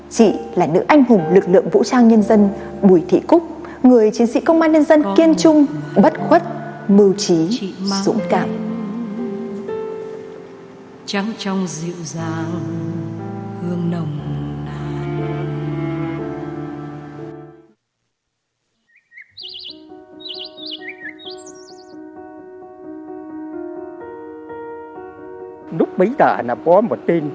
chị là nữ anh hùng lực lượng vũ trang nhân dân bùi thị cúc người chiến sĩ công an nhân dân kiên trung bất khuất mưu trí dũng cảm